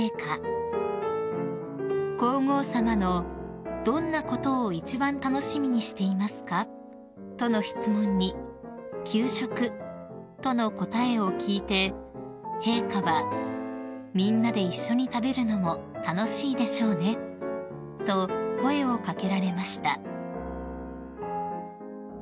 ［皇后さまの「どんなことを一番楽しみにしていますか？」との質問に「給食」との答えを聞いて陛下は「みんなで一緒に食べるのも楽しいでしょうね」と声を掛けられました］